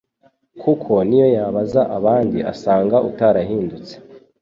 kuko niyo yabaza abandi asanga utarahindutse